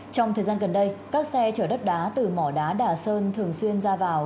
trong thời gian gần đây các xe chở đất đá từ mỏ đá đà sơn thường xuyên ra vào